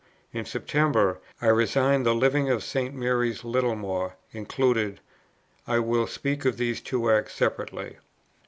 In September, I resigned the Living of St. Mary's, Littlemore included: I will speak of these two acts separately.